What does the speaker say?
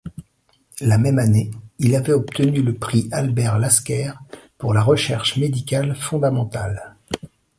La même année il avait obtenu le Prix Albert-Lasker pour la recherche médicale fondamentale.